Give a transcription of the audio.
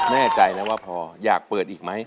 แน่ใจแล้วว่าพออยากเปิดอีกไหม